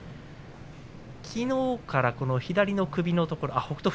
きのうから左の首のところ北勝